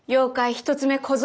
一つ目小僧。